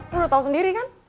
gue udah tau sendiri kan